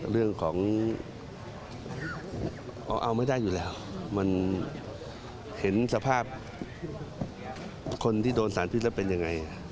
เรื่องของเอาไม่ได้อยู่แล้วมันเห็นสภาพคนที่โดนสารพิษแล้วเป็นยังไง